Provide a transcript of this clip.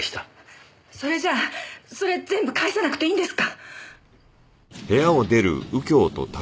それじゃあそれ全部返さなくていいんですか？